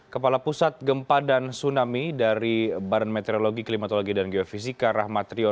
kepala pusat gempa dan tsunami dari baran meteorologi klimatologi dan geofisika rahmat riono menyatakan